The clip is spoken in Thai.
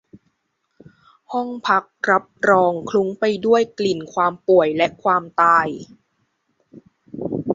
ห้องพักรับรองคลุ้งไปด้วยกลิ่นความป่วยและความตาย